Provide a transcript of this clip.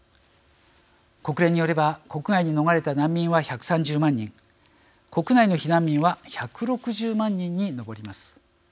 国連によれば国外に逃れた難民は１３０万人国内の避難民は１６０万人に上ります。